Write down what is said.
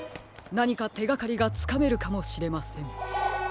なにかてがかりがつかめるかもしれません。